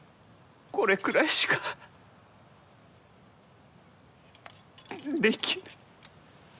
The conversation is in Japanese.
これくらいしかできぬ。